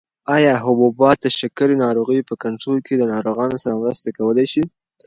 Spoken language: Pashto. ایا حبوبات د شکرې ناروغۍ په کنټرول کې له ناروغانو سره مرسته کولای شي؟